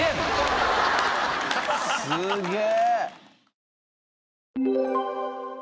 すげえ！